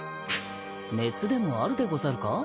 熱でもあるでござるか？